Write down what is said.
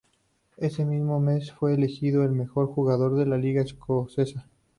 Ese mismo mes fue elegido el mejor jugador de la Liga Escocesa.